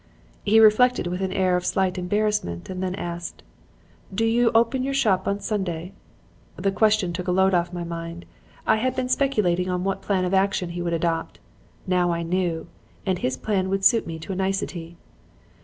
"He reflected, with an air of slight embarrassment, and then asked: "'Do you open your shop on Sunday?' "The question took a load off my mind. I had been speculating on what plan of action he would adopt. Now I knew. And his plan would suit me to a nicety.